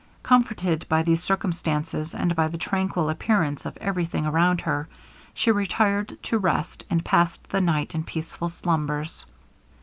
Comforted by these circumstances, and by the tranquil appearance of every thing around her, she retired to rest, and passed the night in peaceful slumbers.